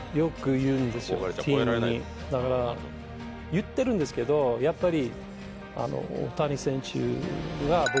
言ってるんですけどやっぱり。